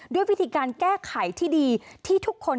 ด้วยวิธีการแก้ไขที่ดีที่ทุกคน